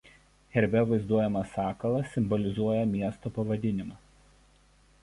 Herbe vaizduojamas sakalas simbolizuoja miesto pavadinimą.